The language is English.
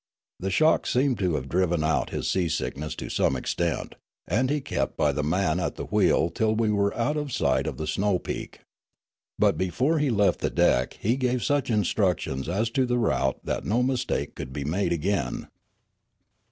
The shock seemed to have driven out his sea sickness to some extent, and he kept by the man at the wheel till we were out of sight of the snow peak. Before he left the deck he gave such instructions as to the route that no mistake could be made again.